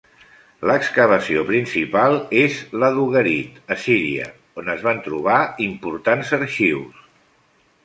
L'excavació principal és la d'Ugarit a Síria on es van trobar importants arxius.